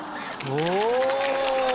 お。